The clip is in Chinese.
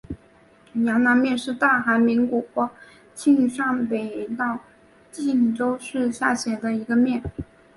阳南面是大韩民国庆尚北道庆州市下辖的一个面。